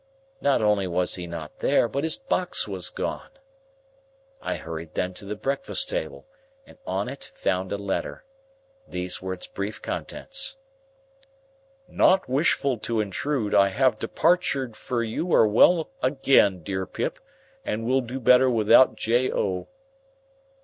Not only was he not there, but his box was gone. I hurried then to the breakfast table, and on it found a letter. These were its brief contents:— "Not wishful to intrude I have departured fur you are well again dear Pip and will do better without JO.